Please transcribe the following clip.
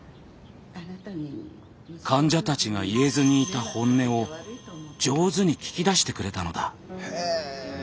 患者たちが言えずにいた本音を上手に聞き出してくれたのだ。